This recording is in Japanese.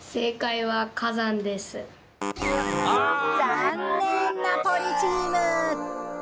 残念ナポリチーム。